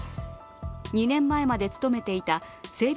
２年前まで勤めていた整備